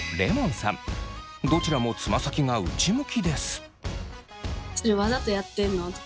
どちらもつま先が内向きです。